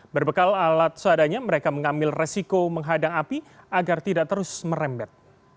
berbekal alat seadanya mereka mengambil resiko menghadang api agar tidak terus merembet